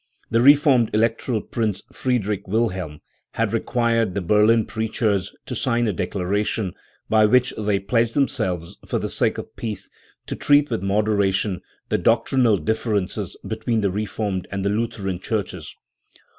The reformed Electoral Prince Friedrich Wilhelm had required the Berlin preachers to sign a declaration by which they pledged them selves, for the sake of peace, to treat with moderation the doc trinal differences between the Reformed and the Lutheran churches.